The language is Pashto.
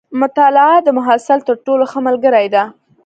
مطالعه د محصل تر ټولو ښه ملګرې ده.